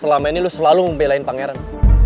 selama ini lo selalu membelain pangeran